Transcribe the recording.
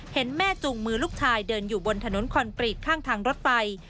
เห็นแม่จูงมือลูกชายเดินอยู่บนถนนคอนกรีตข้างทางรถไฟ